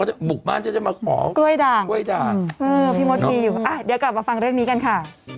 พี่มดกลีบเดี๋ยวกลับมาฟังเรื่องนี้กันค่ะ